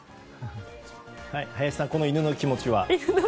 林さんこの犬の気持ちは？